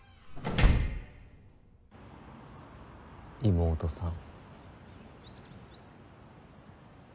妹さん？